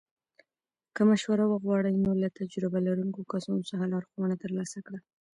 که مشوره وغواړې، نو له تجربه لرونکو کسانو څخه لارښوونه ترلاسه کړه.